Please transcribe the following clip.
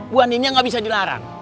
bu andinnya gak bisa dilarang